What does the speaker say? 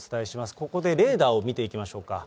ここでレーダーを見ていきましょうか。